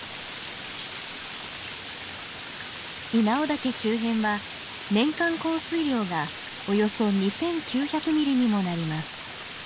稲尾岳周辺は年間降水量がおよそ２，９００ミリにもなります。